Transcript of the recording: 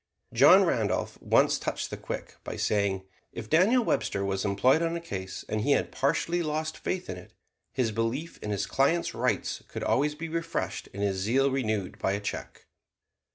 John Randolph once touched the quick by saying, "If Daniel Webster was employed on a case and he had partially lost faith in it, his belief in his client's rights could always be refreshed and his zeal renewed by a check."